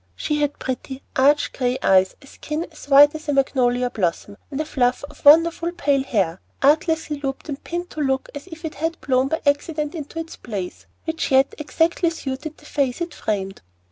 She had pretty, arch, gray eyes, a skin as white as a magnolia blossom, and a fluff of wonderful pale hair artlessly looped and pinned to look as if it had blown by accident into its place which yet exactly suited the face it framed.